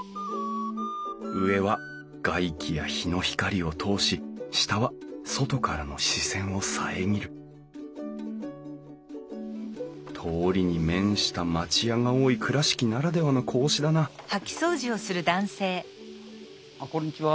上は外気や陽の光を通し下は外からの視線を遮る通りに面した町屋が多い倉敷ならではの格子だなあっこんにちは。